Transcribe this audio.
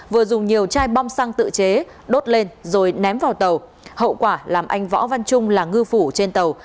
vừa dùng nhiều chai bom xăng tự chế đốt lên rồi ném vào tàu hậu quả làm anh võ văn trung là ngư phủ trên tàu